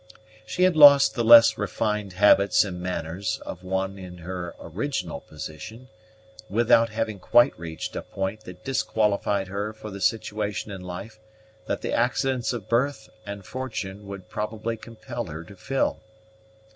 She had lost the less refined habits and manners of one in her original position, without having quite reached a point that disqualified her for the situation in life that the accidents of birth and fortune would probably compel her to fill.